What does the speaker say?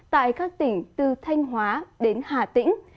tại các tỉnh từ thanh hóa đến hà tĩnh